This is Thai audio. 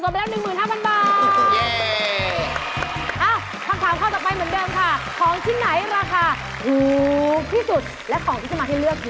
พี่เขาหัวล่อกันหมดพี่ลองให้ทำไม